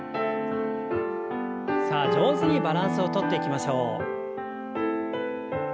さあ上手にバランスをとっていきましょう。